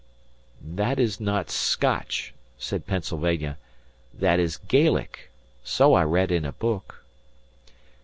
"That is not Scotch," said "Pennsylvania." "That is Gaelic. So I read in a book."